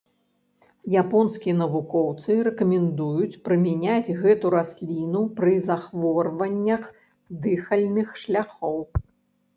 Японскія навукоўцы рэкамендуюць прымяняць гэту расліну пры захворваннях дыхальных шляхоў.